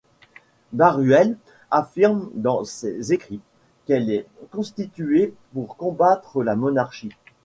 Barruel affirme dans ses écrits, qu'elle est constituée pour combattre la monarchie.